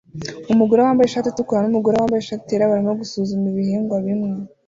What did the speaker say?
Umugore wambaye ishati itukura numugore wambaye ishati yera barimo gusuzuma ibihingwa bimwe